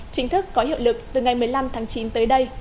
chính thức có hiệu lực từ ngày một mươi năm tháng chín tới đây